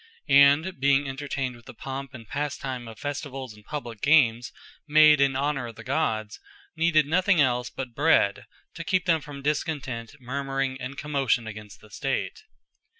And being entertained with the pomp, and pastime of Festivalls, and publike Gomes, made in honour of the Gods, needed nothing else but bread, to keep them from discontent, murmuring, and commotion against the State.